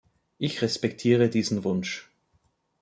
Ich respektiere diesen Wunsch.